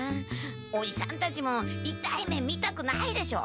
おじさんたちもいたい目みたくないでしょ？